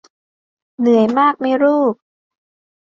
เหนื่อยมากไหมลูก